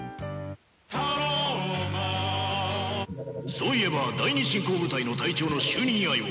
そういえば第二侵攻部隊の隊長の就任祝いを。